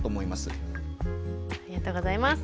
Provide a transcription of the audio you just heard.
ありがとうございます。